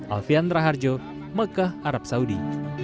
alfian raharjo mekah arab saudi